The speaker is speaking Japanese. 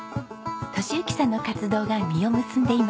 敏之さんの活動が実を結んでいます。